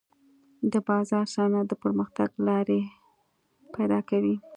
د بازار څارنه د پرمختګ لارې پيدا کوي.